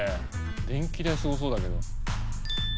電気代すごそうだけど。